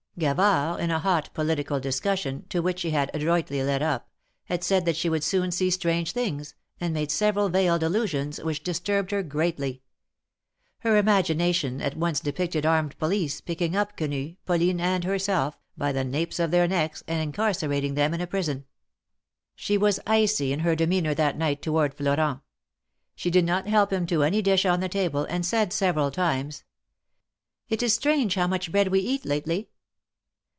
Gavard, in a hot political discussion, to which she had adroitly led up, had said that she would soon see strange things, and made several veiled allusions, wdiich dis turbed her greatly. Her imagination at once depicted armed police, picking up Quenu, Pauline and herself, by the napes of their necks, and incarcerating them in a prison. She was icy in her demeanor that night toward Florent. She did not help him to any dish on the table, and said several times : It is strange how much bread we eat lately."